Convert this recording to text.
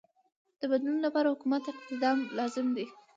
د بدلون لپاره حکومتی اقدام لازم دی.